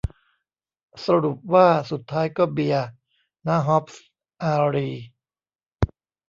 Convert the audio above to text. สรุปว่าสุดท้ายก็เบียร์ ณ ฮ็อบส์ อารีย์